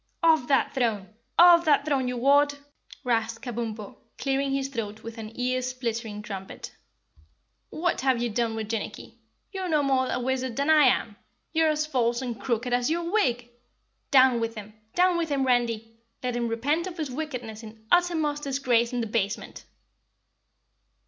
"Off that throne! Off that throne, you wart!" rasped Kabumpo, clearing his throat with an ear splitting trumpet. "What have you done with Jinnicky? You're no more a wizard than I am! You're as false and crooked as your wig! Down with him! Down with him, Randy! Let him repent of his wickedness in uttermost disgrace and debasement!"